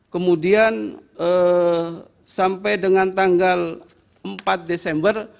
kemudian sampai dengan tanggal empat desember